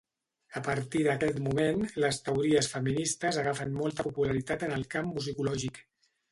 A partir d'aquest moment, les teories feministes agafen molta popularitat en el camp musicològic.